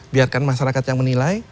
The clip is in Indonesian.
biarkan masyarakat yang menilai